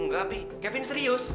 nggak pi kevin serius